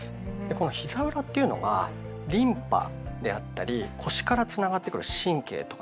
このひざ裏っていうのがリンパであったり腰からつながってくる神経とかね